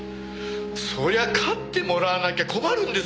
そりゃ勝ってもらわなきゃ困るんですよ！